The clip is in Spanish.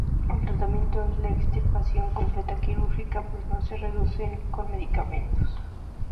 El tratamiento es la extirpación completa quirúrgica, pues no se reduce con medicamentos.